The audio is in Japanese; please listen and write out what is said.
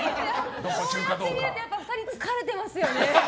こう見ると２人疲れていますよね。